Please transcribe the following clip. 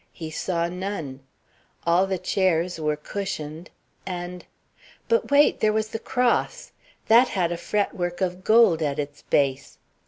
He saw none. All the chairs were cushioned and But wait! there was the cross! That had a fretwork of gold at its base.